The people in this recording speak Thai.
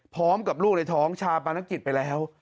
พร้อมกับลูกในท้องชาปนกิจไปแล้ว